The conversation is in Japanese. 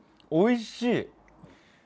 おいしい！